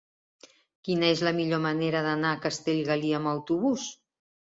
Quina és la millor manera d'anar a Castellgalí amb autobús?